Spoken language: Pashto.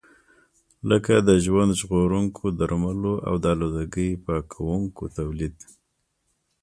لکه د ژوند ژغورونکو درملو او د آلودګۍ پاکونکو تولید.